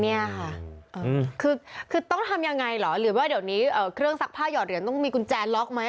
เนี่ยค่ะคือต้องทำยังไงเหรอหรือว่าเดี๋ยวนี้เครื่องซักผ้าหยอดเหรียญต้องมีกุญแจล็อกไหม